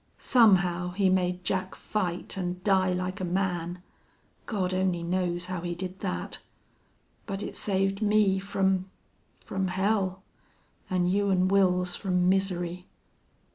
Somehow he made Jack fight an' die like a man. God only knows how he did that. But it saved me from from hell an' you an' Wils from misery....